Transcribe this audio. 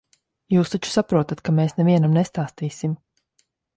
Jūs taču saprotat, ka mēs nevienam nestāstīsim.